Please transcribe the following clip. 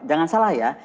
jangan salah ya